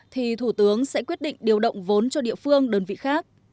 thì thủ tướng sẽ quyết định điều động vốn cho địa phương đơn vị khác